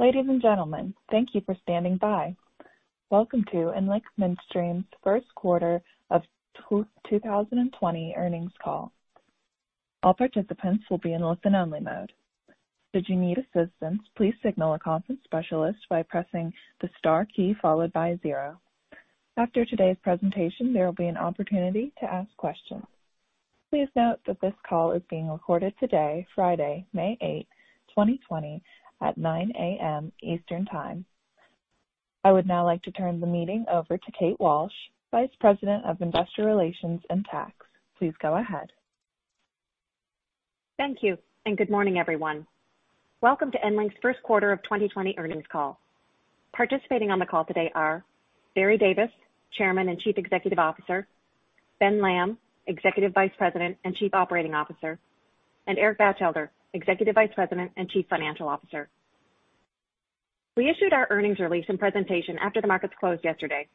Ladies and gentlemen, thank you for standing by. Welcome to EnLink Midstream's First Quarter of 2020 Earnings Call. All participants will be in listen-only mode. Should you need assistance, please signal a conference specialist by pressing the star key followed by zero. After today's presentation, there will be an opportunity to ask questions. Please note that this call is being recorded today, Friday, May 8th, 2020, at 9:00 A.M. Eastern Time. I would now like to turn the meeting over to Kate Walsh, Vice President of Investor Relations and Tax. Please go ahead. Thank you. Good morning, everyone. Welcome to EnLink's first quarter of 2020 earnings call. Participating on the call today are Barry Davis, Chairman and Chief Executive Officer, Ben Lamb, Executive Vice President and Chief Operating Officer, and Eric Batchelder, Executive Vice President and Chief Financial Officer. We issued our earnings release and presentation after the markets closed yesterday,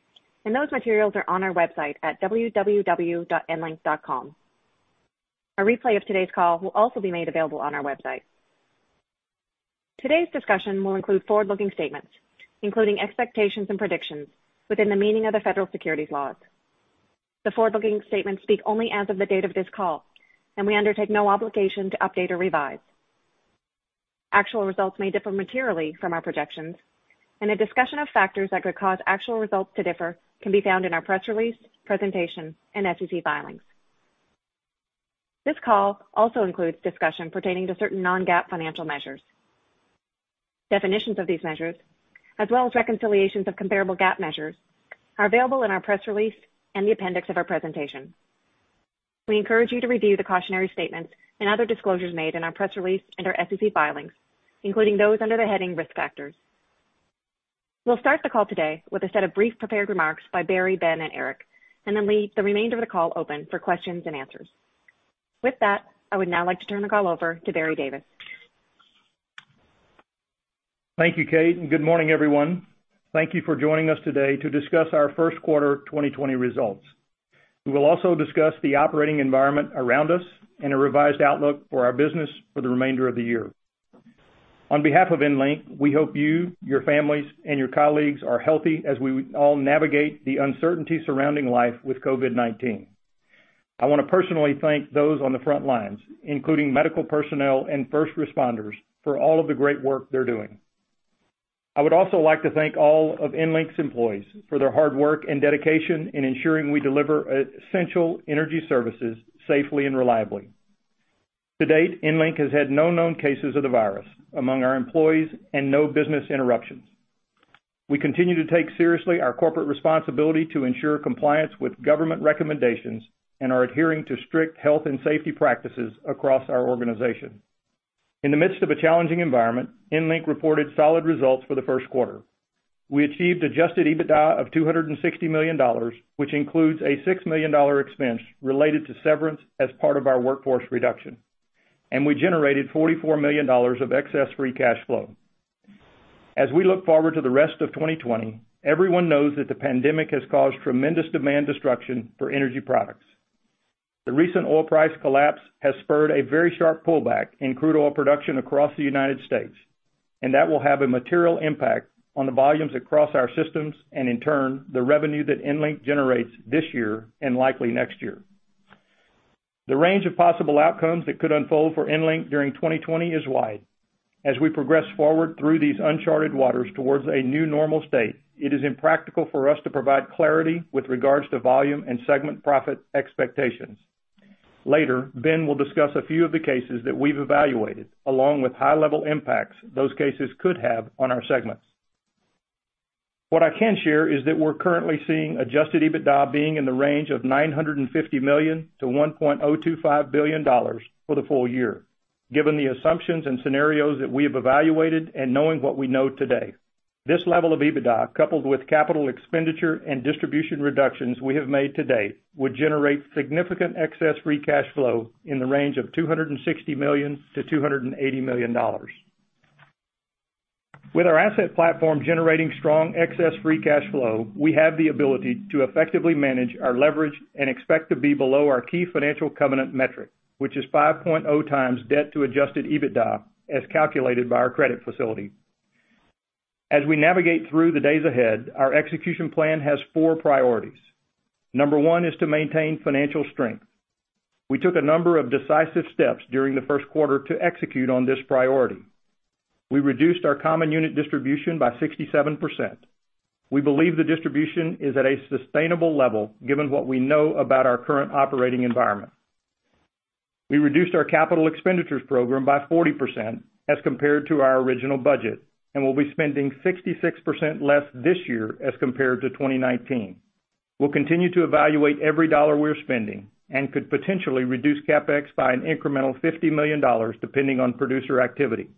and those materials are on our website at www.enlink.com. A replay of today's call will also be made available on our website. Today's discussion will include forward-looking statements, including expectations and predictions within the meaning of the federal securities laws. The forward-looking statements speak only as of the date of this call, and we undertake no obligation to update or revise. Actual results may differ materially from our projections, a discussion of factors that could cause actual results to differ can be found in our press release, presentation, and SEC filings. This call also includes discussion pertaining to certain non-GAAP financial measures. Definitions of these measures, as well as reconciliations of comparable GAAP measures, are available in our press release and the appendix of our presentation. We encourage you to review the cautionary statements and other disclosures made in our press release and our SEC filings, including those under the heading Risk Factors. We'll start the call today with a set of brief prepared remarks by Barry, Ben, and Eric, and then leave the remainder of the call open for questions and answers. With that, I would now like to turn the call over to Barry Davis. Thank you, Kate. Good morning, everyone. Thank you for joining us today to discuss our first quarter 2020 results. We will also discuss the operating environment around us and a revised outlook for our business for the remainder of the year. On behalf of EnLink, we hope you, your families, and your colleagues are healthy as we all navigate the uncertainty surrounding life with COVID-19. I want to personally thank those on the front lines, including medical personnel and first responders, for all of the great work they're doing. I would also like to thank all of EnLink's employees for their hard work and dedication in ensuring we deliver essential energy services safely and reliably. To date, EnLink has had no known cases of the virus among our employees and no business interruptions. We continue to take seriously our corporate responsibility to ensure compliance with government recommendations and are adhering to strict health and safety practices across our organization. In the midst of a challenging environment, EnLink reported solid results for the first quarter. We achieved adjusted EBITDA of $260 million, which includes a $6 million expense related to severance as part of our workforce reduction. We generated $44 million of excess free cash flow. As we look forward to the rest of 2020, everyone knows that the pandemic has caused tremendous demand destruction for energy products. The recent oil price collapse has spurred a very sharp pullback in crude oil production across the United States, that will have a material impact on the volumes across our systems and, in turn, the revenue that EnLink generates this year and likely next year. The range of possible outcomes that could unfold for EnLink during 2020 is wide. As we progress forward through these uncharted waters towards a new normal state, it is impractical for us to provide clarity with regards to volume and segment profit expectations. Later, Ben will discuss a few of the cases that we've evaluated, along with high-level impacts those cases could have on our segments. What I can share is that we're currently seeing adjusted EBITDA being in the range of $950 million-$1.025 billion for the full year, given the assumptions and scenarios that we have evaluated and knowing what we know today. This level of EBITDA, coupled with capital expenditure and distribution reductions we have made to date, would generate significant excess free cash flow in the range of $260 million-$280 million. With our asset platform generating strong excess free cash flow, we have the ability to effectively manage our leverage and expect to be below our key financial covenant metric, which is 5.0x debt to adjusted EBITDA as calculated by our credit facility. As we navigate through the days ahead, our execution plan has four priorities. Number one is to maintain financial strength. We took a number of decisive steps during the first quarter to execute on this priority. We reduced our common unit distribution by 67%. We believe the distribution is at a sustainable level given what we know about our current operating environment. We reduced our capital expenditures program by 40% as compared to our original budget and will be spending 66% less this year as compared to 2019. We'll continue to evaluate every dollar we're spending and could potentially reduce CapEx by an incremental $50 million, depending on producer activity.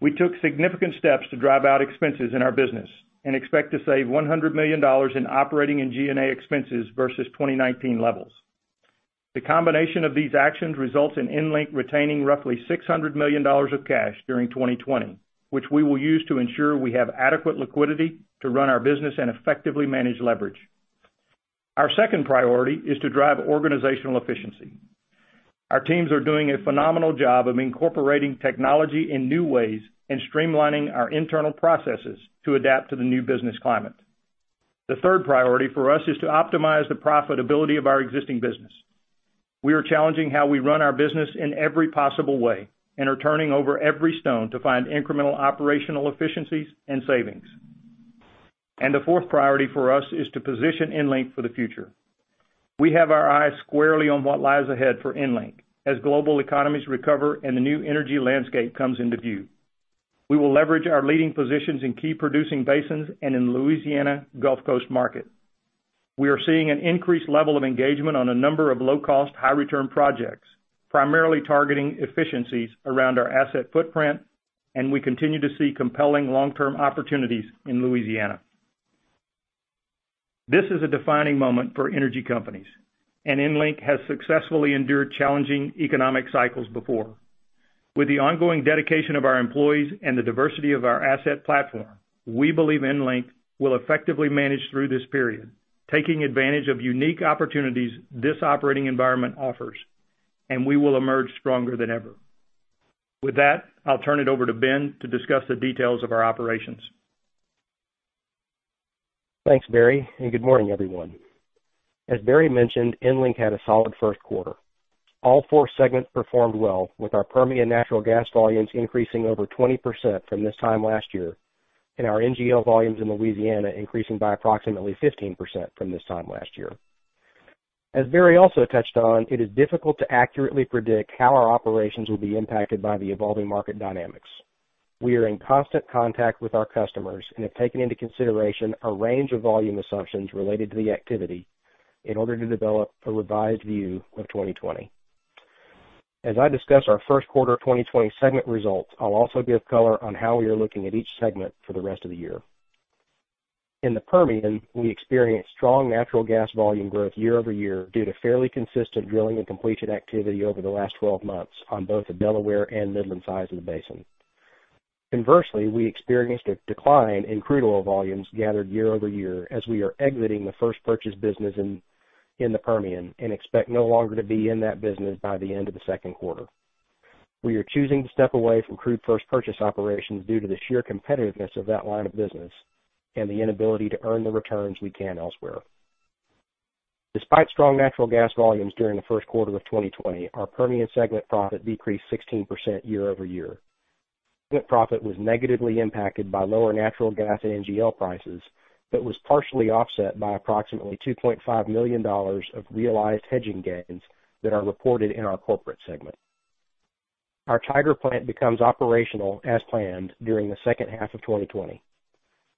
We took significant steps to drive out expenses in our business and expect to save $100 million in operating and G&A expenses versus 2019 levels. The combination of these actions results in EnLink retaining roughly $600 million of cash during 2020, which we will use to ensure we have adequate liquidity to run our business and effectively manage leverage. Our second priority is to drive organizational efficiency. Our teams are doing a phenomenal job of incorporating technology in new ways and streamlining our internal processes to adapt to the new business climate. The third priority for us is to optimize the profitability of our existing business. We are challenging how we run our business in every possible way and are turning over every stone to find incremental operational efficiencies and savings. The fourth priority for us is to position EnLink for the future. We have our eyes squarely on what lies ahead for EnLink as global economies recover and the new energy landscape comes into view. We will leverage our leading positions in key producing basins and in Louisiana Gulf Coast market. We are seeing an increased level of engagement on a number of low-cost, high-return projects, primarily targeting efficiencies around our asset footprint, and we continue to see compelling long-term opportunities in Louisiana. This is a defining moment for energy companies, and EnLink has successfully endured challenging economic cycles before. With the ongoing dedication of our employees and the diversity of our asset platform, we believe EnLink will effectively manage through this period, taking advantage of unique opportunities this operating environment offers, and we will emerge stronger than ever. With that, I'll turn it over to Ben to discuss the details of our operations. Thanks, Barry. Good morning, everyone. As Barry mentioned, EnLink had a solid first quarter. All four segments performed well, with our Permian natural gas volumes increasing over 20% from this time last year, and our NGL volumes in Louisiana increasing by approximately 15% from this time last year. As Barry also touched on, it is difficult to accurately predict how our operations will be impacted by the evolving market dynamics. We are in constant contact with our customers and have taken into consideration a range of volume assumptions related to the activity in order to develop a revised view of 2020. As I discuss our first quarter 2020 segment results, I'll also give color on how we are looking at each segment for the rest of the year. In the Permian, we experienced strong natural gas volume growth year-over-year due to fairly consistent drilling and completion activity over the last 12 months on both the Delaware and Midland sides of the basin. Inversely, we experienced a decline in crude oil volumes gathered year-over-year as we are exiting the first purchase business in the Permian and expect no longer to be in that business by the end of the second quarter. We are choosing to step away from crude first purchase operations due to the sheer competitiveness of that line of business and the inability to earn the returns we can elsewhere. Despite strong natural gas volumes during the first quarter of 2020, our Permian segment profit decreased 16% year-over-year. Net profit was negatively impacted by lower natural gas and NGL prices, but was partially offset by approximately $2.5 million of realized hedging gains that are reported in our corporate segment. Our Tiger Plant becomes operational as planned during the second half of 2020.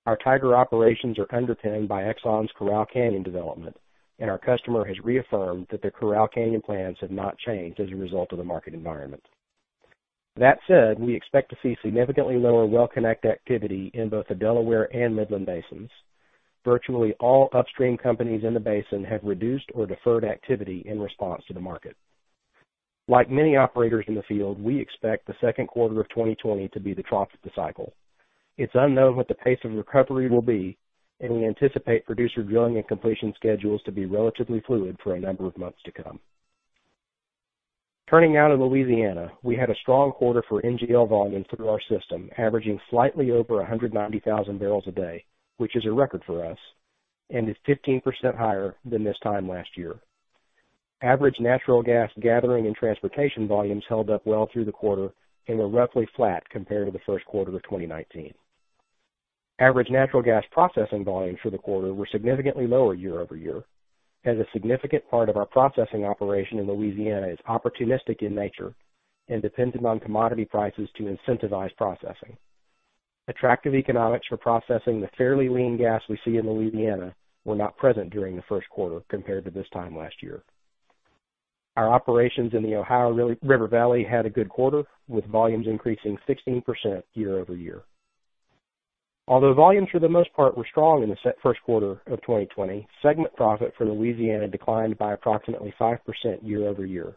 Our Tiger operations are underpinned by Exxon's Corral Canyon development, and our customer has reaffirmed that their Corral Canyon plans have not changed as a result of the market environment. That said, we expect to see significantly lower well connect activity in both the Delaware and Midland basins. Virtually all upstream companies in the basin have reduced or deferred activity in response to the market. Like many operators in the field, we expect the second quarter of 2020 to be the trough of the cycle. It's unknown what the pace of recovery will be, and we anticipate producer drilling and completion schedules to be relatively fluid for a number of months to come. Turning now to Louisiana, we had a strong quarter for NGL volume through our system, averaging slightly over 190,000 barrels a day, which is a record for us and is 15% higher than this time last year. Average natural gas gathering and transportation volumes held up well through the quarter and were roughly flat compared to the first quarter of 2019. Average natural gas processing volumes for the quarter were significantly lower year-over-year, as a significant part of our processing operation in Louisiana is opportunistic in nature and dependent on commodity prices to incentivize processing. Attractive economics for processing the fairly lean gas we see in Louisiana were not present during the first quarter compared to this time last year. Our operations in the Ohio River Valley had a good quarter, with volumes increasing 16% year-over-year. Although volumes for the most part were strong in the first quarter of 2020, segment profit for Louisiana declined by approximately 5% year-over-year.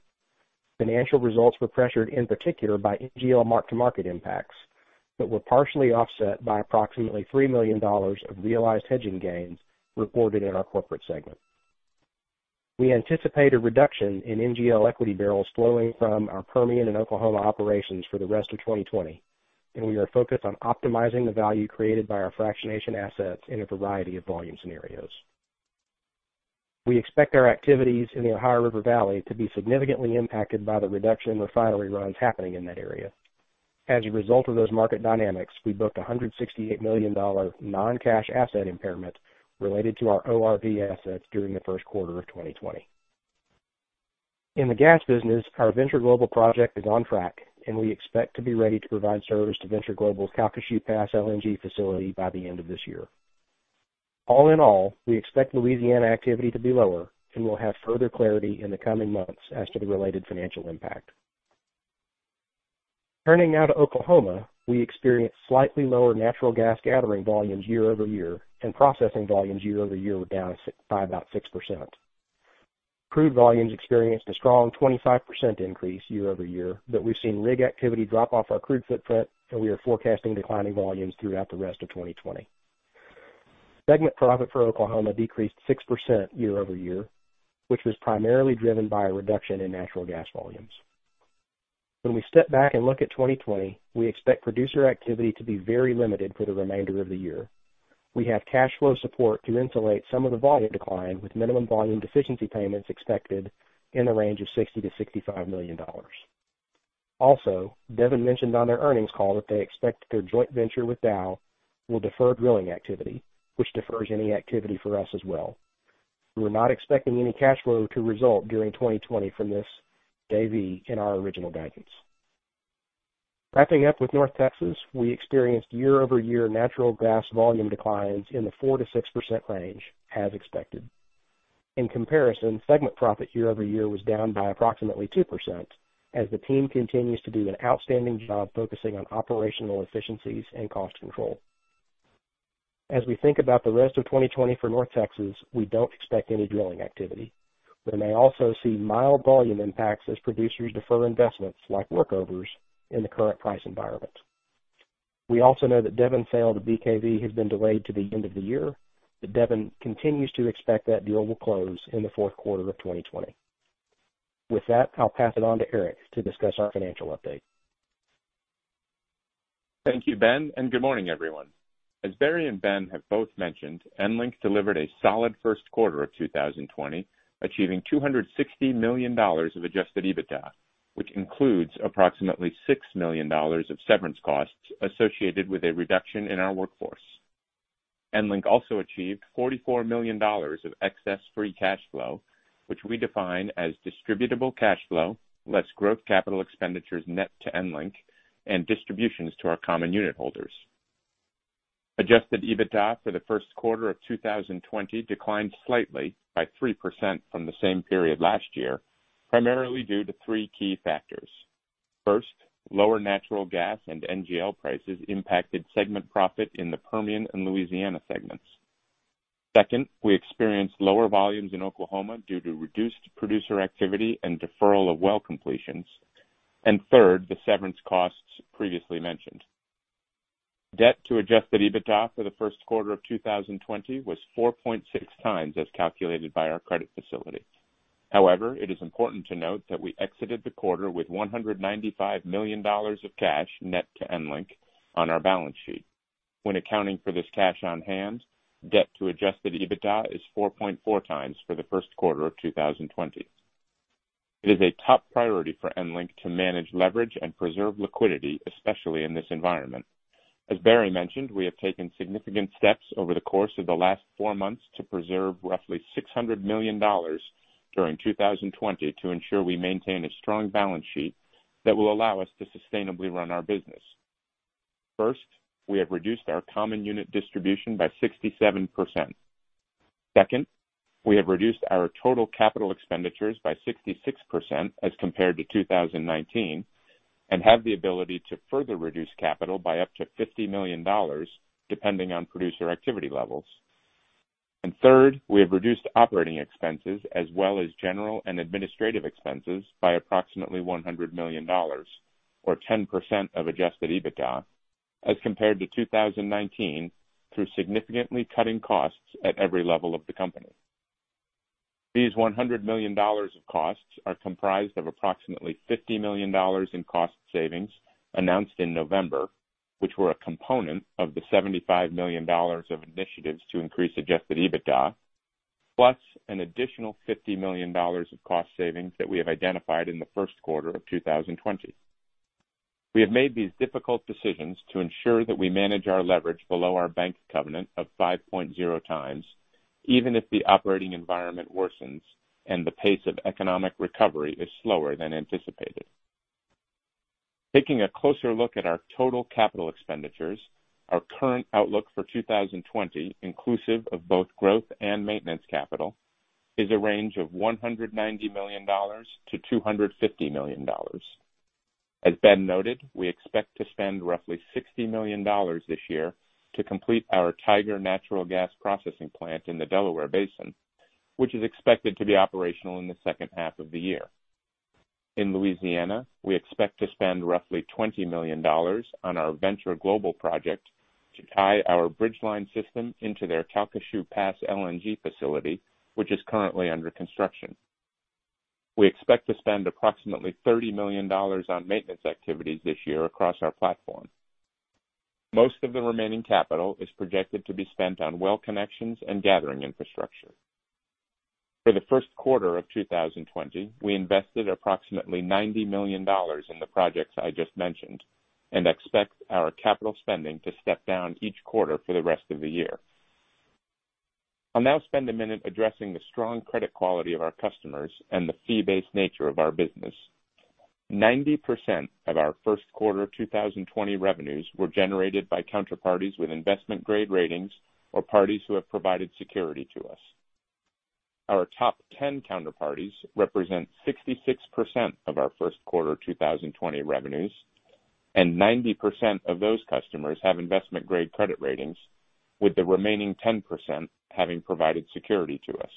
Financial results were pressured in particular by NGL mark-to-market impacts, but were partially offset by approximately $3 million of realized hedging gains reported in our corporate segment. We anticipate a reduction in NGL equity barrels flowing from our Permian and Oklahoma operations for the rest of 2020, and we are focused on optimizing the value created by our fractionation assets in a variety of volume scenarios. We expect our activities in the Ohio River Valley to be significantly impacted by the reduction in refinery runs happening in that area. As a result of those market dynamics, we booked $168 million non-cash asset impairment related to our ORV assets during the first quarter of 2020. In the gas business, our Venture Global project is on track, and we expect to be ready to provide service to Venture Global's Calcasieu Pass LNG facility by the end of this year. All in all, we expect Louisiana activity to be lower, and we'll have further clarity in the coming months as to the related financial impact. Turning now to Oklahoma, we experienced slightly lower natural gas gathering volumes year-over-year. Processing volumes year-over-year were down by about 6%. Crude volumes experienced a strong 25% increase year-over-year. We've seen rig activity drop off our crude footprint. We are forecasting declining volumes throughout the rest of 2020. Segment profit for Oklahoma decreased 6% year-over-year, which was primarily driven by a reduction in natural gas volumes. When we step back and look at 2020, we expect producer activity to be very limited for the remainder of the year. We have cash flow support to insulate some of the volume decline, with minimum volume deficiency payments expected in the range of $60 million-$65 million. Also, Devon mentioned on their earnings call that they expect their joint venture with Dow will defer drilling activity, which defers any activity for us as well. We are not expecting any cash flow to result during 2020 from this JV in our original guidance. Wrapping up with North Texas, we experienced year-over-year natural gas volume declines in the 4%-6% range, as expected. In comparison, segment profit year-over-year was down by approximately 2%, as the team continues to do an outstanding job focusing on operational efficiencies and cost control. As we think about the rest of 2020 for North Texas, we don't expect any drilling activity. We may also see mild volume impacts as producers defer investments like workovers in the current price environment. We also know that Devon sale to BKV has been delayed to the end of the year, but Devon continues to expect that deal will close in the fourth quarter of 2020. With that, I'll pass it on to Eric to discuss our financial update. Thank you, Ben, and good morning, everyone. As Barry and Ben have both mentioned, EnLink delivered a solid first quarter of 2020, achieving $260 million of adjusted EBITDA, which includes approximately $6 million of severance costs associated with a reduction in our workforce. EnLink also achieved $44 million of excess free cash flow, which we define as distributable cash flow, less growth capital expenditures net to EnLink, and distributions to our common unit holders. Adjusted EBITDA for the first quarter of 2020 declined slightly by 3% from the same period last year, primarily due to three key factors. First, lower natural gas and NGL prices impacted segment profit in the Permian and Louisiana segments. Second, we experienced lower volumes in Oklahoma due to reduced producer activity and deferral of well completions. Third, the severance costs previously mentioned. Debt to adjusted EBITDA for the first quarter of 2020 was 4.6x, as calculated by our credit facility. It is important to note that we exited the quarter with $195 million of cash net to EnLink on our balance sheet. When accounting for this cash on hand, debt to adjusted EBITDA is 4.4x for the first quarter of 2020. It is a top priority for EnLink to manage leverage and preserve liquidity, especially in this environment. As Barry mentioned, we have taken significant steps over the course of the last four months to preserve roughly $600 million during 2020 to ensure we maintain a strong balance sheet that will allow us to sustainably run our business. First, we have reduced our common unit distribution by 67%. Second, we have reduced our total capital expenditures by 66% as compared to 2019, and have the ability to further reduce capital by up to $50 million depending on producer activity levels. Third, we have reduced operating expenses as well as general and administrative expenses by approximately $100 million, or 10% of adjusted EBITDA as compared to 2019, through significantly cutting costs at every level of the company. These $100 million of costs are comprised of approximately $50 million in cost savings announced in November, which were a component of the $75 million of initiatives to increase adjusted EBITDA, plus an additional $50 million of cost savings that we have identified in the first quarter of 2020. We have made these difficult decisions to ensure that we manage our leverage below our bank covenant of 5.0x, even if the operating environment worsens and the pace of economic recovery is slower than anticipated. Taking a closer look at our total capital expenditures, our current outlook for 2020, inclusive of both growth and maintenance capital, is a range of $190 million-$250 million. As Ben noted, we expect to spend roughly $60 million this year to complete our Tiger natural gas processing plant in the Delaware Basin, which is expected to be operational in the second half of the year. In Louisiana, we expect to spend roughly $20 million on our Venture Global Project to tie our Bridgeline system into their Calcasieu Pass LNG facility, which is currently under construction. We expect to spend approximately $30 million on maintenance activities this year across our platform. Most of the remaining capital is projected to be spent on well connections and gathering infrastructure. For the first quarter of 2020, we invested approximately $90 million in the projects I just mentioned and expect our capital spending to step down each quarter for the rest of the year. I'll now spend a minute addressing the strong credit quality of our customers and the fee-based nature of our business. 90% of our first quarter 2020 revenues were generated by counterparties with investment-grade ratings or parties who have provided security to us. Our top 10 counterparties represent 66% of our first quarter 2020 revenues. 90% of those customers have investment-grade credit ratings, with the remaining 10% having provided security to us.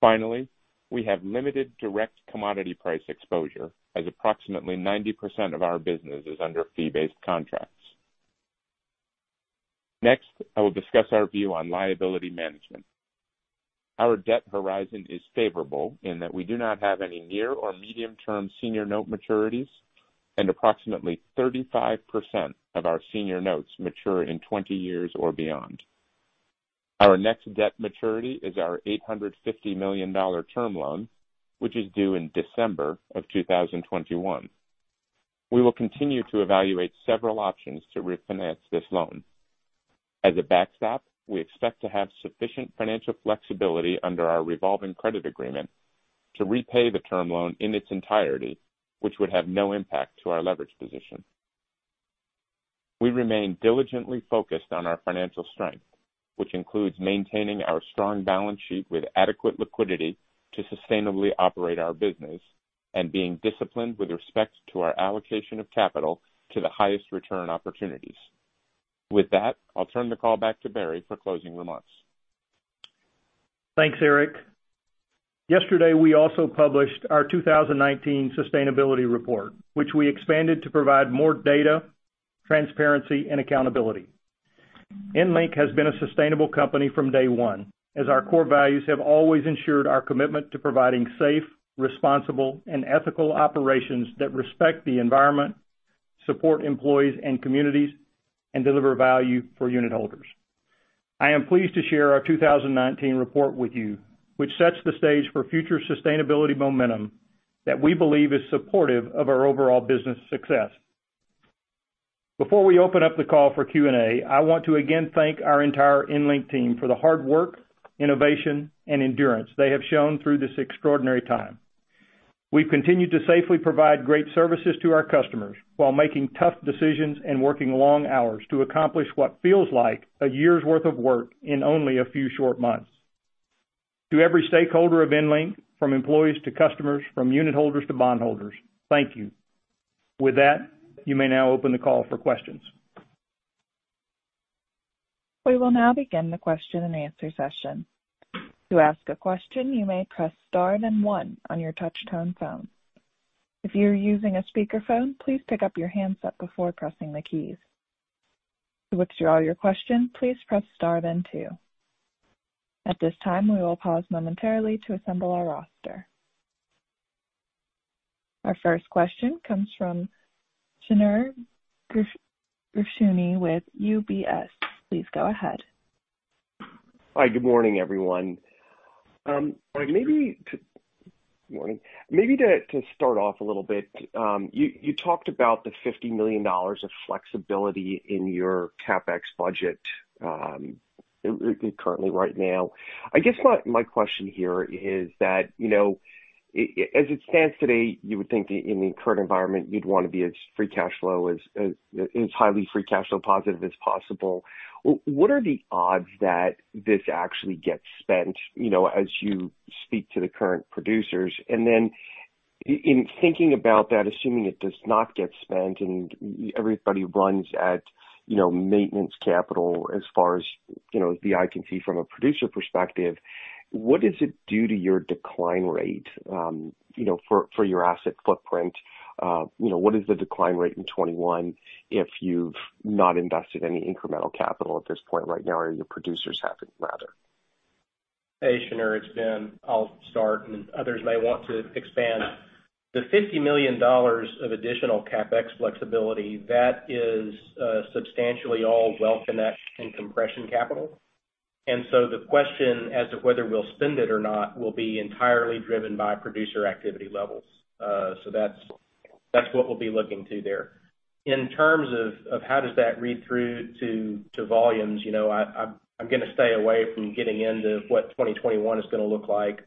Finally, we have limited direct commodity price exposure as approximately 90% of our business is under fee-based contracts. Next, I will discuss our view on liability management. Our debt horizon is favorable in that we do not have any near or medium-term senior note maturities, and approximately 35% of our senior notes mature in 20 years or beyond. Our next debt maturity is our $850 million term loan, which is due in December of 2021. We will continue to evaluate several options to refinance this loan. As a backstop, we expect to have sufficient financial flexibility under our revolving credit agreement to repay the term loan in its entirety, which would have no impact to our leverage position. We remain diligently focused on our financial strength, which includes maintaining our strong balance sheet with adequate liquidity to sustainably operate our business and being disciplined with respect to our allocation of capital to the highest return opportunities. With that, I'll turn the call back to Barry for closing remarks. Thanks, Eric. Yesterday, we also published our 2019 sustainability report, which we expanded to provide more data, transparency, and accountability. EnLink has been a sustainable company from day one, as our core values have always ensured our commitment to providing safe, responsible, and ethical operations that respect the environment, support employees and communities, and deliver value for unitholders. I am pleased to share our 2019 report with you, which sets the stage for future sustainability momentum that we believe is supportive of our overall business success. Before we open up the call for Q&A, I want to again thank our entire EnLink team for the hard work, innovation, and endurance they have shown through this extraordinary time. We've continued to safely provide great services to our customers while making tough decisions and working long hours to accomplish what feels like a year's worth of work in only a few short months. To every stakeholder of EnLink, from employees to customers, from unitholders to bondholders, thank you. With that, you may now open the call for questions. We will now begin the question-and-answer session. To ask a question, you may press star then one on your touchtone phone. If you're using a speakerphone, please pick up your handset before pressing the keys. To withdraw your question, please press star then two. At this time, we will pause momentarily to assemble our roster. Our first question comes from Shneur Gershuni with UBS. Please go ahead. Hi, good morning, everyone. Maybe to start off a little bit, you talked about the $50 million of flexibility in your CapEx budget currently right now. I guess my question here is that, as it stands today, you would think in the current environment, you'd want to be as highly free cash flow positive as possible. What are the odds that this actually gets spent as you speak to the current producers? Then in thinking about that, assuming it does not get spent and everybody runs at maintenance capital as far as the eye can see from a producer perspective, what does it do to your decline rate for your asset footprint? What is the decline rate in 2021 if you've not invested any incremental capital at this point right now, or your producers haven't, rather? Hey, Shneur. It's Ben. I'll start, and others may want to expand. The $50 million of additional CapEx flexibility, that is substantially all well connect and compression capital. The question as to whether we'll spend it or not will be entirely driven by producer activity levels. That's what we'll be looking to there. In terms of how does that read through to volumes, I'm going to stay away from getting into what 2021 is going to look like.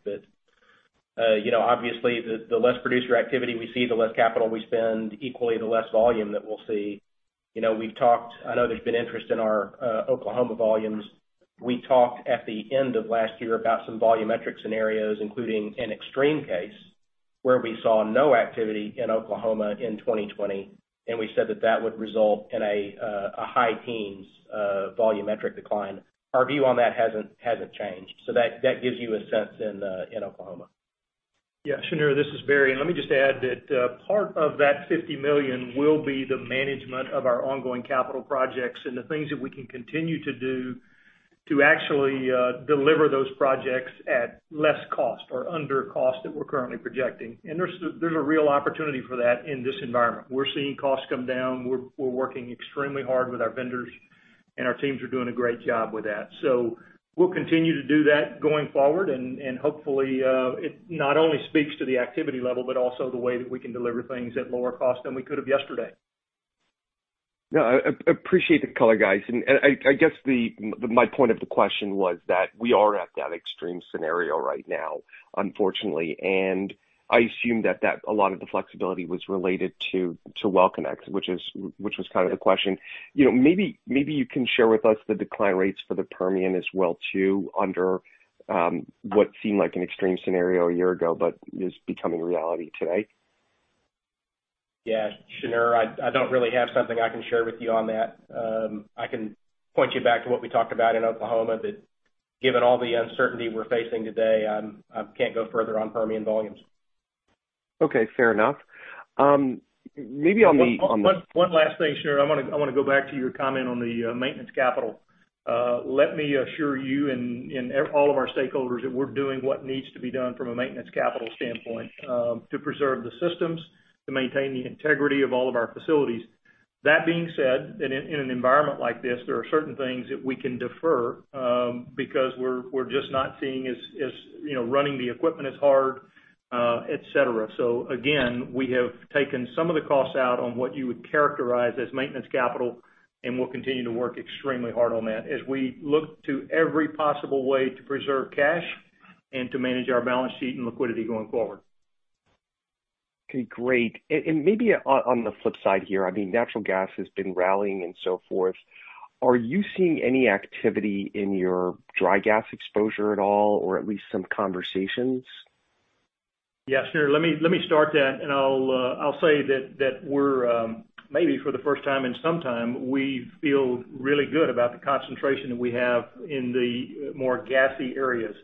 Obviously, the less producer activity we see, the less capital we spend, equally, the less volume that we'll see. I know there's been interest in our Oklahoma volumes. We talked at the end of last year about some volumetric scenarios, including an extreme case where we saw no activity in Oklahoma in 2020, and we said that that would result in a high teens volumetric decline. Our view on that hasn't changed. That gives you a sense in Oklahoma. Yeah, Shneur, this is Barry. Let me just add that part of that $50 million will be the management of our ongoing capital projects and the things that we can continue to do to actually deliver those projects at less cost or under cost that we're currently projecting. There's a real opportunity for that in this environment. We're seeing costs come down. We're working extremely hard with our vendors, and our teams are doing a great job with that. We'll continue to do that going forward, and hopefully it not only speaks to the activity level, but also the way that we can deliver things at lower cost than we could have yesterday. No, I appreciate the color, guys. I guess my point of the question was that we are at that extreme scenario right now, unfortunately. I assume that a lot of the flexibility was related to well connect, which was kind of the question. Maybe you can share with us the decline rates for the Permian as well too, under what seemed like an extreme scenario a year ago, but is becoming reality today. Yeah, Shneur, I don't really have something I can share with you on that. I can point you back to what we talked about in Oklahoma, that given all the uncertainty we're facing today, I can't go further on Permian volumes. Okay, fair enough. One last thing, Shneur. I want to go back to your comment on the maintenance capital. Let me assure you and all of our stakeholders that we're doing what needs to be done from a maintenance capital standpoint to preserve the systems, to maintain the integrity of all of our facilities. That being said, in an environment like this, there are certain things that we can defer because we're just not seeing as running the equipment as hard, et cetera. Again, we have taken some of the costs out on what you would characterize as maintenance capital, and we'll continue to work extremely hard on that as we look to every possible way to preserve cash and to manage our balance sheet and liquidity going forward. Okay, great. Maybe on the flip side here, natural gas has been rallying and so forth. Are you seeing any activity in your dry gas exposure at all, or at least some conversations? Yeah, sure. Let me start that. I'll say that we're, maybe for the first time in some time, we feel really good about the concentration that we have in the more gassy areas.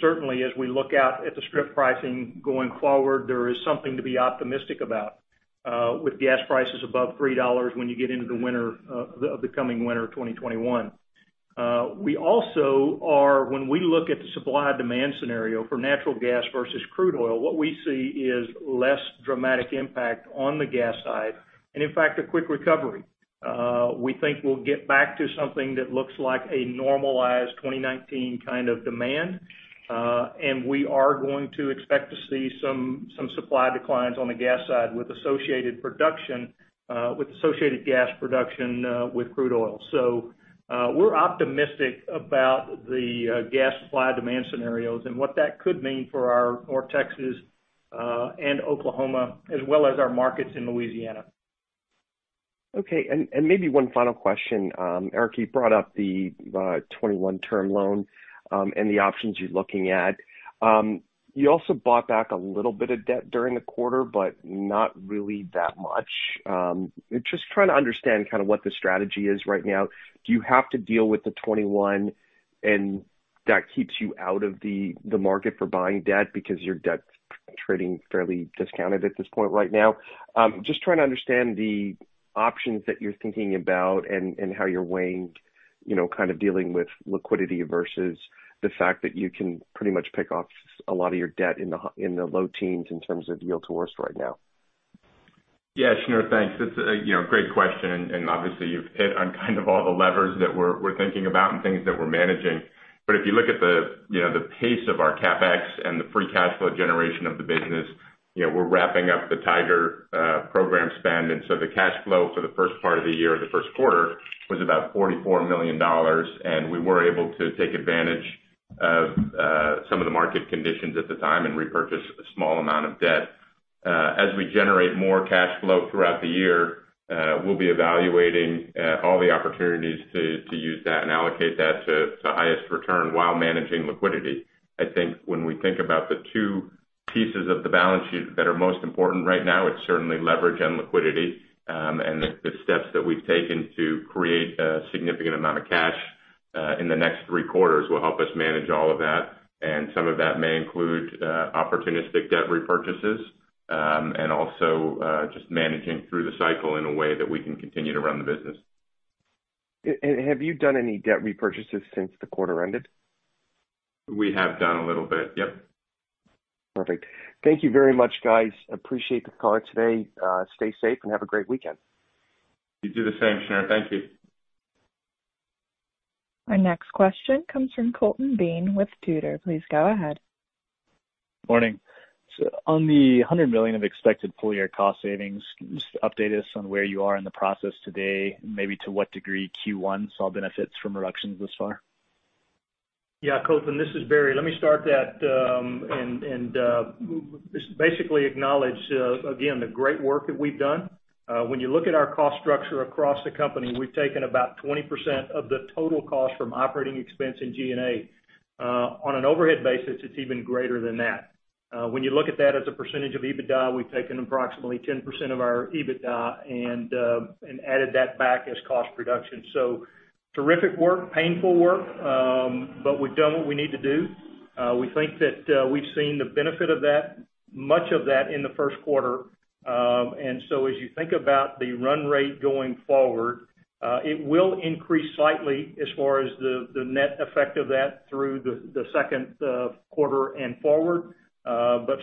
Certainly, as we look out at the strip pricing going forward, there is something to be optimistic about with gas prices above $3 when you get into the coming winter of 2021. We also, when we look at the supply-demand scenario for natural gas versus crude oil, what we see is less dramatic impact on the gas side. In fact, a quick recovery. We think we'll get back to something that looks like a normalized 2019 kind of demand. We are going to expect to see some supply declines on the gas side with associated gas production with crude oil. We're optimistic about the gas supply demand scenarios and what that could mean for our North Texas and Oklahoma, as well as our markets in Louisiana. Okay, maybe one final question. Eric, you brought up the 2021 term loan and the options you're looking at. You also bought back a little bit of debt during the quarter, not really that much. I'm just trying to understand what the strategy is right now. Do you have to deal with the 2021, and that keeps you out of the market for buying debt because your debt's trading fairly discounted at this point right now? Just trying to understand the options that you're thinking about and how you're weighing dealing with liquidity versus the fact that you can pretty much pick off a lot of your debt in the low teens in terms of yield to worst right now. Yeah, Shneur, thanks. It's a great question, and obviously you've hit on kind of all the levers that we're thinking about and things that we're managing. If you look at the pace of our CapEx and the free cash flow generation of the business, we're wrapping up the Tiger program spend. The cash flow for the first part of the year or the first quarter was about $44 million, and we were able to take advantage of some of the market conditions at the time and repurchase a small amount of debt. As we generate more cash flow throughout the year, we'll be evaluating all the opportunities to use that and allocate that to the highest return while managing liquidity. I think when we think about the two pieces of the balance sheet that are most important right now, it's certainly leverage and liquidity. The steps that we've taken to create a significant amount of cash in the next three quarters will help us manage all of that. Some of that may include opportunistic debt repurchases, and also just managing through the cycle in a way that we can continue to run the business. Have you done any debt repurchases since the quarter ended? We have done a little bit. Yep. Perfect. Thank you very much, guys. Appreciate the call today. Stay safe and have a great weekend. You do the same, Shneur. Thank you. Our next question comes from Colton Bean with Tudor. Please go ahead. Morning. On the $100 million of expected full-year cost savings, just update us on where you are in the process today, maybe to what degree Q1 saw benefits from reductions thus far? Yeah, Colton, this is Barry. Let me start that and just basically acknowledge again the great work that we've done. When you look at our cost structure across the company, we've taken about 20% of the total cost from operating expense in G&A. On an overhead basis, it's even greater than that. When you look at that as a percentage of EBITDA, we've taken approximately 10% of our EBITDA and added that back as cost reduction. Terrific work, painful work, but we've done what we need to do. We think that we've seen the benefit of much of that in the first quarter. As you think about the run rate going forward, it will increase slightly as far as the net effect of that through the second quarter and forward.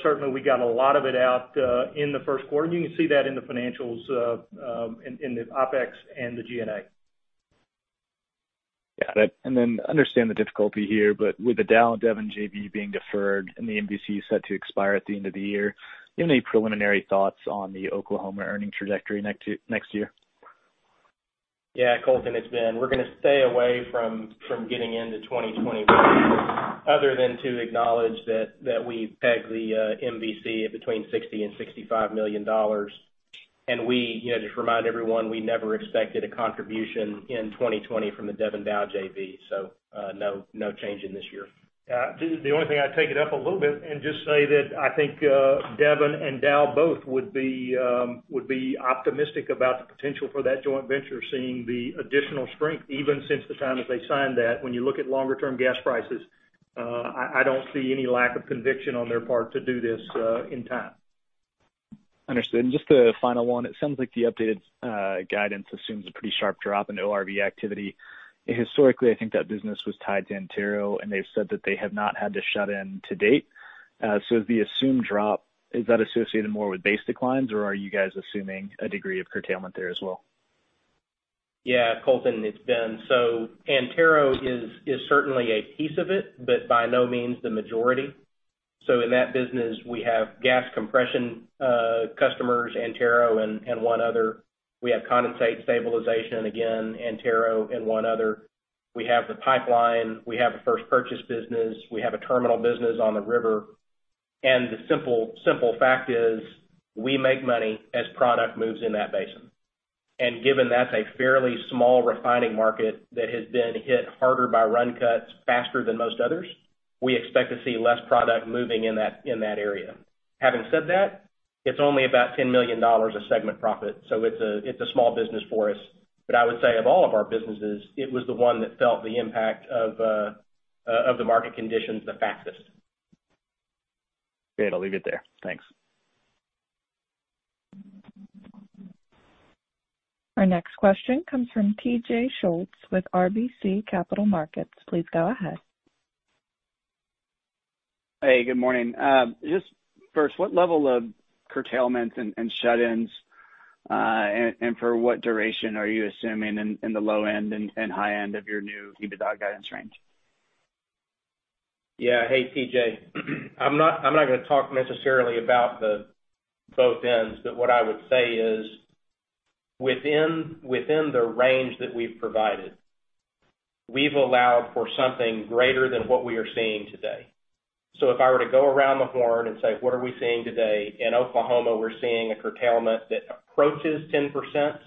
Certainly, we got a lot of it out in the first quarter, and you can see that in the financials in the OpEx and the G&A. Yeah. Understand the difficulty here, but with the Dow and Devon JV being deferred and the MVC set to expire at the end of the year, do you have any preliminary thoughts on the Oklahoma earning trajectory next year? Yeah, Colton, it's Ben. We're going to stay away from getting into 2021 other than to acknowledge that we peg the MVC at between $60 million and $65 million. We, just to remind everyone, we never expected a contribution in 2020 from the Devon-Dow JV. No change in this year. The only thing I'd take it up a little bit and just say that I think Devon and Dow both would be optimistic about the potential for that joint venture, seeing the additional strength even since the time that they signed that. When you look at longer-term gas prices, I don't see any lack of conviction on their part to do this in time. Understood. Just a final one, it sounds like the updated guidance assumes a pretty sharp drop in ORV activity. Historically, I think that business was tied to Antero, and they've said that they have not had to shut in to date. The assumed drop, is that associated more with base declines or are you guys assuming a degree of curtailment there as well? Colton, it's Ben. Antero is certainly a piece of it, but by no means the majority. In that business, we have gas compression customers, Antero and one other. We have condensate stabilization, again, Antero and one other. We have the pipeline. We have a first purchase business. We have a terminal business on the river. The simple fact is, we make money as product moves in that basin. Given that's a fairly small refining market that has been hit harder by run cuts faster than most others, we expect to see less product moving in that area. Having said that, it's only about $10 million of segment profit, so it's a small business for us. I would say of all of our businesses, it was the one that felt the impact of the market conditions the fastest. Great. I'll leave it there. Thanks. Our next question comes from TJ Schultz with RBC Capital Markets. Please go ahead. Hey, good morning. Just first, what level of curtailment and shut-ins, and for what duration are you assuming in the low end and high end of your new EBITDA guidance range? Yeah. Hey, TJ. I'm not going to talk necessarily about both ends. What I would say is, within the range that we've provided, we've allowed for something greater than what we are seeing today. If I were to go around the horn and say, what are we seeing today? In Oklahoma, we're seeing a curtailment that approaches 10%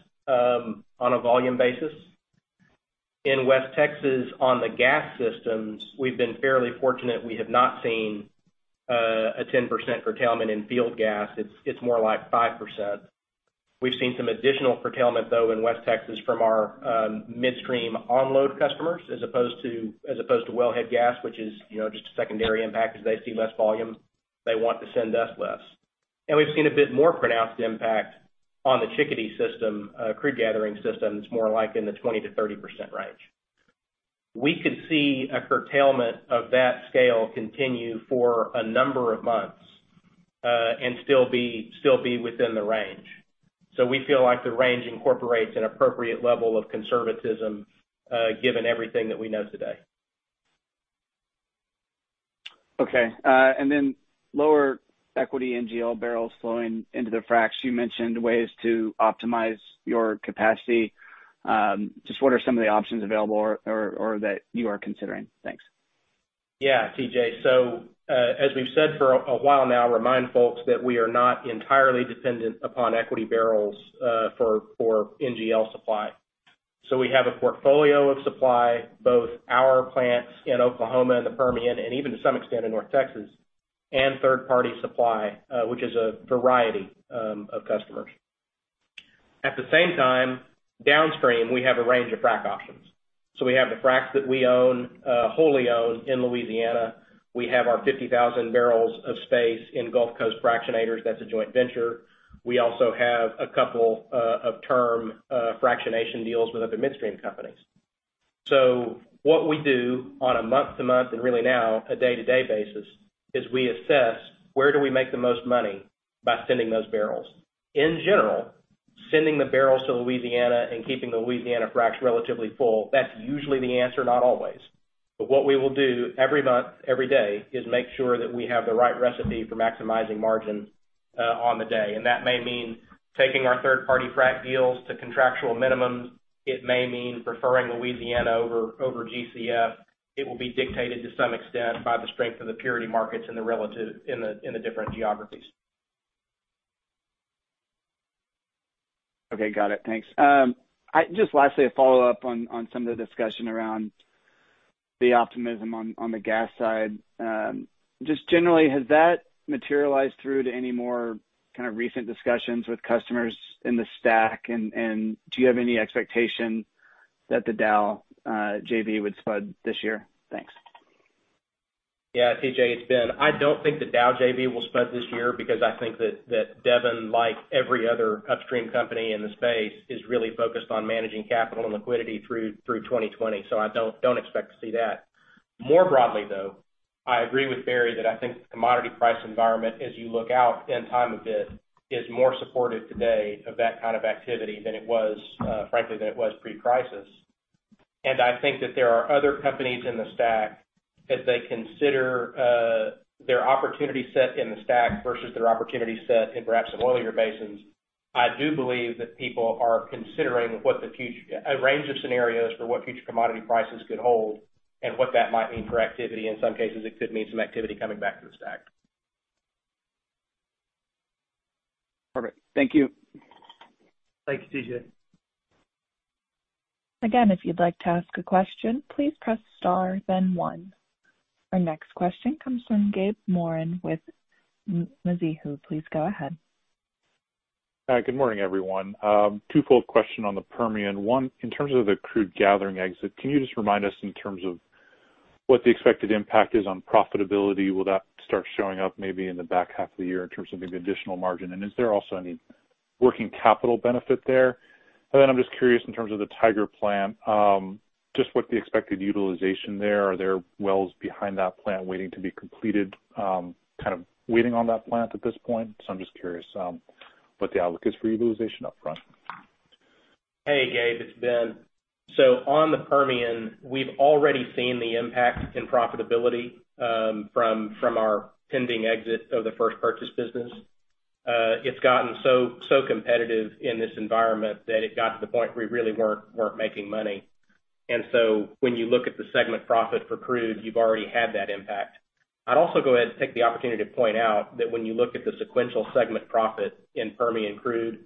on a volume basis. In West Texas, on the gas systems, we've been fairly fortunate. We have not seen a 10% curtailment in field gas. It's more like 5%. We've seen some additional curtailment though in West Texas from our midstream onload customers as opposed to wellhead gas, which is just a secondary impact. As they see less volume, they want to send us less. We've seen a bit more pronounced impact on the Chickadee system, crude gathering systems, more like in the 20%-30% range. We could see a curtailment of that scale continue for a number of months, and still be within the range. We feel like the range incorporates an appropriate level of conservatism, given everything that we know today. Okay. Lower equity NGL barrels flowing into the fracs. You mentioned ways to optimize your capacity. Just what are some of the options available or that you are considering? Thanks. Yeah, TJ. As we've said for a while now, remind folks that we are not entirely dependent upon equity barrels for NGL supply. We have a portfolio of supply, both our plants in Oklahoma and the Permian, and even to some extent in North Texas, and third party supply, which is a variety of customers. At the same time, downstream, we have a range of frac options. We have the fracs that we own, wholly own in Louisiana. We have our 50,000 barrels of space in Gulf Coast Fractionators, that's a joint venture. We also have a couple of term fractionation deals with other midstream companies. What we do on a month to month, and really now a day to day basis, is we assess where do we make the most money by sending those barrels. In general, sending the barrels to Louisiana and keeping the Louisiana fracs relatively full, that's usually the answer, not always. What we will do every month, every day, is make sure that we have the right recipe for maximizing margin on the day. That may mean taking our third party frac deals to contractual minimums. It may mean preferring Louisiana over GCF. It will be dictated to some extent by the strength of the purity markets in the different geographies. Okay. Got it. Thanks. Just lastly, a follow-up on some of the discussion around the optimism on the gas side. Just generally, has that materialized through to any more kind of recent discussions with customers in the STACK? Do you have any expectation that the Dow JV would spud this year? Thanks. Yeah, T.J. it's Ben. I don't think the Dow JV will spud this year because I think that Devon, like every other upstream company in the space, is really focused on managing capital and liquidity through 2020. I don't expect to see that. More broadly, though, I agree with Barry that I think the commodity price environment, as you look out in time a bit, is more supportive today of that kind of activity than it was, frankly, than it was pre-crisis. I think that there are other companies in the STACK, as they consider their opportunity set in the STACK versus their opportunity set in perhaps some oilier basins. I do believe that people are considering a range of scenarios for what future commodity prices could hold. What that might mean for activity. In some cases, it could mean some activity coming back to the STACK. Perfect. Thank you. Thanks, TJ. Again, if you'd like to ask a question, please press star then one. Our next question comes from Gabe Moreen with Mizuho. Please go ahead. Hi, good morning, everyone. Twofold question on the Permian. One, in terms of the crude gathering exit, can you just remind us in terms of what the expected impact is on profitability? Will that start showing up maybe in the back half of the year in terms of maybe additional margin? Is there also any working capital benefit there? I'm just curious in terms of the Tiger Plant, just what the expected utilization there. Are there wells behind that plant waiting to be completed, kind of waiting on that plant at this point? I'm just curious what the outlook is for utilization up front. Hey, Gabe, it's Ben. On the Permian, we've already seen the impact in profitability from our pending exit of the first purchase business. It's gotten so competitive in this environment that it got to the point we really weren't making money. When you look at the segment profit for crude, you've already had that impact. I'd also go ahead and take the opportunity to point out that when you look at the sequential segment profit in Permian Crude,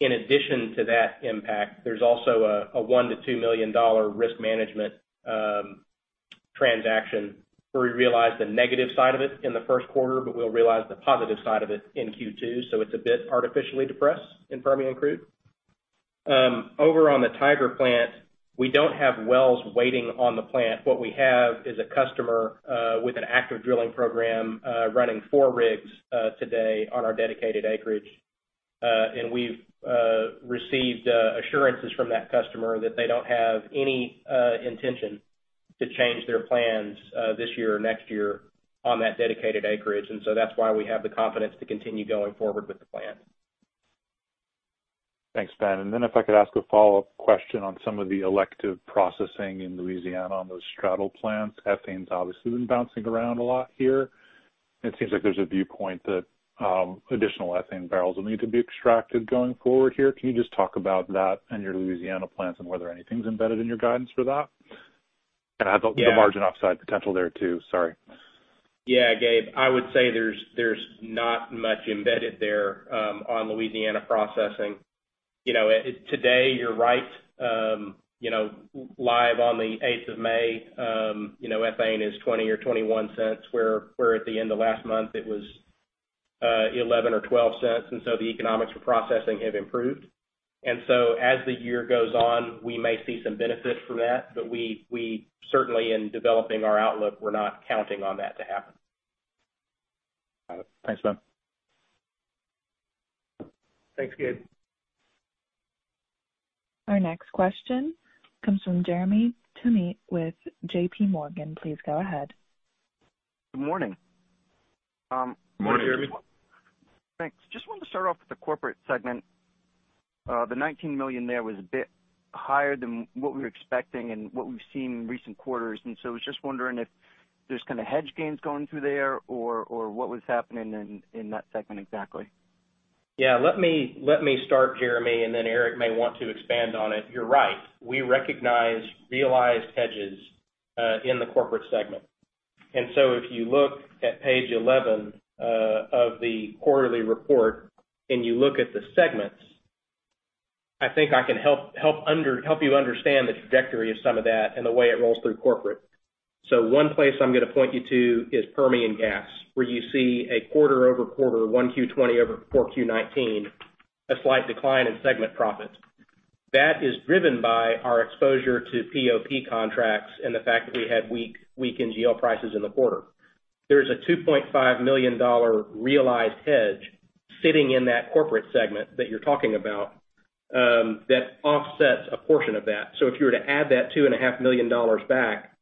in addition to that impact, there's also a $1 million-$2 million risk management transaction where we realize the negative side of it in the first quarter, but we'll realize the positive side of it in Q2. It's a bit artificially depressed in Permian Crude. Over on the Tiger Plant, we don't have wells waiting on the plant. What we have is a customer with an active drilling program running four rigs today on our dedicated acreage. We've received assurances from that customer that they don't have any intention to change their plans this year or next year on that dedicated acreage. That's why we have the confidence to continue going forward with the plan. Thanks, Ben. Then if I could ask a follow-up question on some of the elective processing in Louisiana on those straddle plants. Ethane's obviously been bouncing around a lot here. It seems like there's a viewpoint that additional ethane barrels will need to be extracted going forward here. Can you just talk about that and your Louisiana plants and whether anything's embedded in your guidance for that? Yeah. The margin upside potential there too. Sorry. Yeah, Gabe, I would say there's not much embedded there on Louisiana processing. Today, you're right. Live on the 8th of May, ethane is $0.20 or $0.21, where at the end of last month it was $0.11 or $0.12. The economics for processing have improved. As the year goes on, we may see some benefit from that, but we certainly in developing our outlook, we're not counting on that to happen. Got it. Thanks, Ben. Thanks, Gabe. Our next question comes from Jeremy Tonet with JPMorgan. Please go ahead. Good morning. Morning, Jeremy. Thanks. Just wanted to start off with the corporate segment. The $19 million there was a bit higher than what we were expecting and what we've seen in recent quarters. Was just wondering if there's kind of hedge gains going through there or what was happening in that segment exactly. Let me start, Jeremy, then Eric may want to expand on it. You're right. We recognize realized hedges in the corporate segment. If you look at page 11 of the quarterly report, and you look at the segments, I think I can help you understand the trajectory of some of that and the way it rolls through corporate. One place I'm going to point you to is Permian Gas, where you see a quarter-over-quarter 1Q 2020 over 4Q 2019, a slight decline in segment profit. That is driven by our exposure to POP contracts and the fact that we had weak NGL prices in the quarter. There's a $2.5 million realized hedge sitting in that corporate segment that you're talking about, that offsets a portion of that. If you were to add that $2.5 million back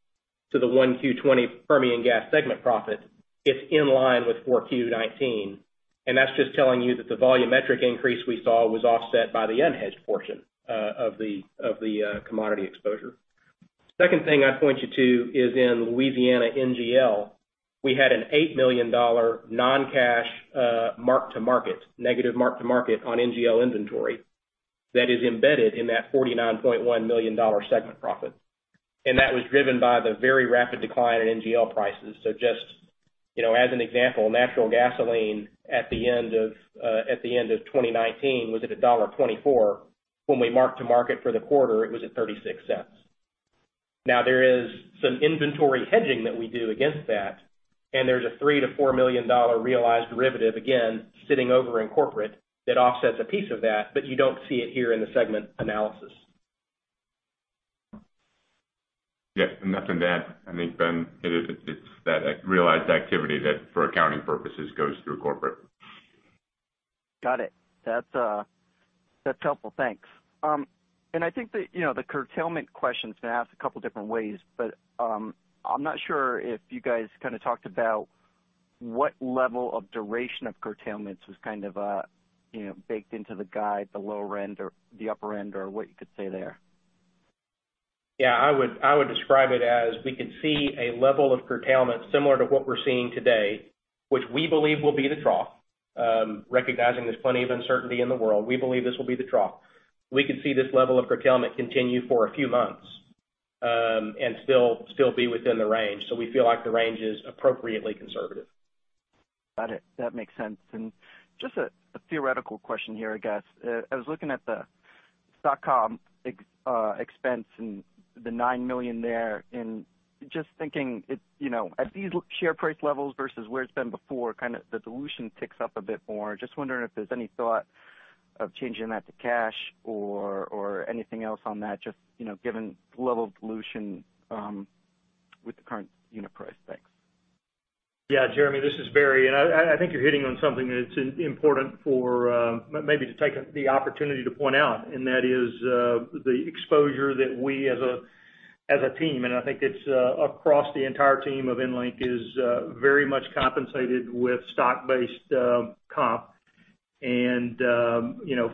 to the 1Q 2020 Permian gas segment profit, it's in line with 4Q 2019. That's just telling you that the volumetric increase we saw was offset by the unhedged portion of the commodity exposure. Second thing I'd point you to is in Louisiana NGL. We had an $8 million non-cash negative mark-to-market on NGL inventory that is embedded in that $49.1 million segment profit. That was driven by the very rapid decline in NGL prices. Just as an example, natural gasoline at the end of 2019 was at a $1.24. When we marked-to-market for the quarter, it was at $0.36. Now, there is some inventory hedging that we do against that, and there's a $3 million-$4 million realized derivative, again, sitting over in corporate that offsets a piece of that, but you don't see it here in the segment analysis. Yeah. And nothing to add. I think Ben, it's that realized activity that for accounting purposes goes through corporate. Got it. That's helpful. Thanks. I think that the curtailment question's been asked a couple different ways, but I'm not sure if you guys kind of talked about what level of duration of curtailments was kind of baked into the guide, the lower end or the upper end, or what you could say there. Yeah, I would describe it as we could see a level of curtailment similar to what we're seeing today, which we believe will be the trough. Recognizing there's plenty of uncertainty in the world, we believe this will be the trough. We could see this level of curtailment continue for a few months, and still be within the range. We feel like the range is appropriately conservative. Got it. That makes sense. Just a theoretical question here, I guess. I was looking at the stock comp expense and the $9 million there, and just thinking, at these share price levels versus where it's been before, the dilution ticks up a bit more. Just wondering if there's any thought of changing that to cash or anything else on that, just given the level of dilution with the current unit price. Thanks. Jeremy, this is Barry. I think you're hitting on something that's important maybe to take the opportunity to point out, and that is the exposure that we as a team, and I think it's across the entire team of EnLink is very much compensated with stock-based comp.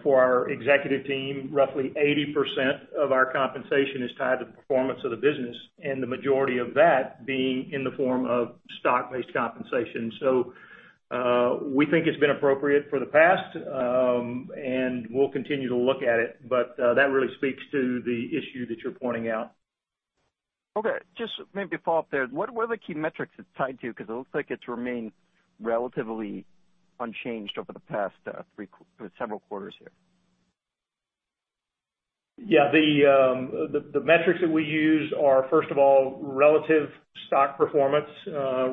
For our executive team, roughly 80% of our compensation is tied to the performance of the business, and the majority of that being in the form of stock-based compensation. We think it's been appropriate for the past, and we'll continue to look at it. That really speaks to the issue that you're pointing out. Okay. Just maybe to follow up there, what are the key metrics it's tied to? It looks like it's remained relatively unchanged over the past several quarters here. The metrics that we use are, first of all, relative stock performance,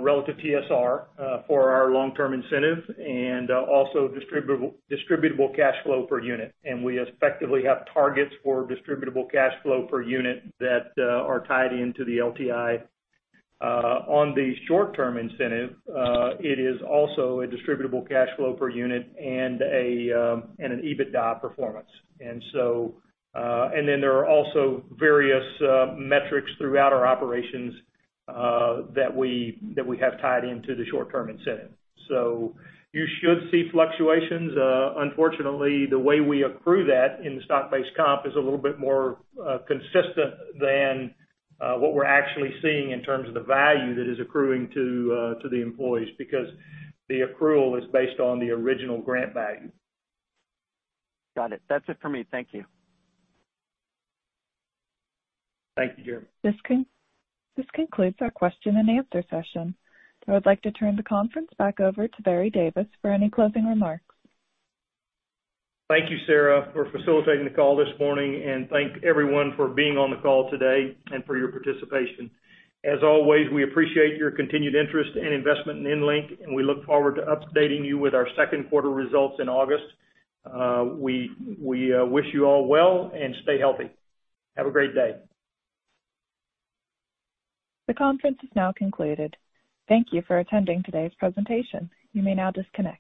relative TSR for our long-term incentive, and also distributable cash flow per unit. We effectively have targets for distributable cash flow per unit that are tied into the LTI. On the short-term incentive, it is also a distributable cash flow per unit and an EBITDA performance. There are also various metrics throughout our operations that we have tied into the short-term incentive. You should see fluctuations. Unfortunately, the way we accrue that in the stock-based comp is a little bit more consistent than what we're actually seeing in terms of the value that is accruing to the employees, because the accrual is based on the original grant value. Got it. That's it for me. Thank you. Thank you, Jeremy. This concludes our question and answer session. I would like to turn the conference back over to Barry Davis for any closing remarks. Thank you, Sarah, for facilitating the call this morning. Thank everyone for being on the call today and for your participation. As always, we appreciate your continued interest and investment in EnLink. We look forward to updating you with our second quarter results in August. We wish you all well. Stay healthy. Have a great day. The conference is now concluded. Thank you for attending today's presentation. You may now disconnect.